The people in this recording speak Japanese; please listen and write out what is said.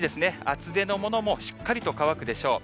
厚手のものもしっかりと乾くでしょう。